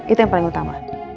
itu yang paling utama